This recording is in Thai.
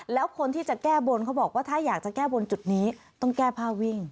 แล้วคนที่จะแก้บนเขาบอกว่าถ้าอยากจะแก้บนจุดนี้ต้องแก้ผ้าวิ่ง